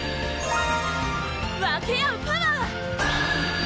分け合うパワー！